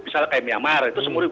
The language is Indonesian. misalnya kayak myanmar itu seumur